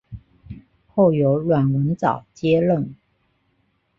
后由阮文藻接任。